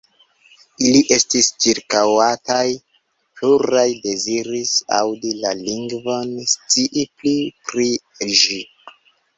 Ili estis ĉirkaŭataj, pluraj deziris aŭdi la lingvon, scii pli pri ĝi.